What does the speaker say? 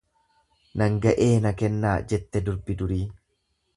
Nan ga'ee na kennaa jette durbi durii.